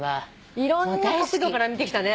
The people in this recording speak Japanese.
いろんな角度から見てきたね。